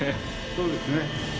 そうですね。